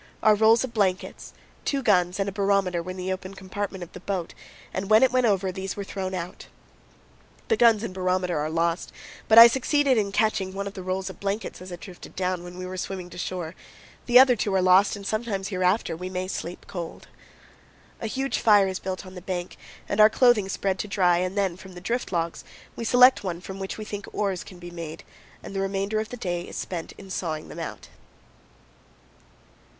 Our rolls of blankets, two guns, and a barometer were in the open compartment of the boat and, when it went over, these were thrown out. The guns and barometer are lost, but I succeeded in catching one of the rolls of blankets as it drifted down, when we were swimming to shore; the other two are lost, and sometimes hereafter we may sleep cold. A huge fire is built on the bank and our clothing spread to dry, and then from the drift logs we select one from which we think oars can be made, and the remainder of the day is spent in sawing them out.